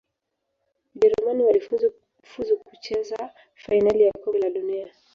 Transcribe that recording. Ujerumani walifuzu kucheza fainali ya kombe la dunia